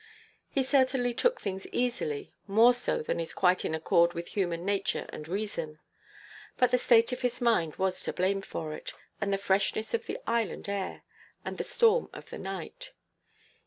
He certainly took things easily; more so than is quite in accord with human nature and reason. But the state of his mind was to blame for it; and the freshness of the island air, after the storm of the night.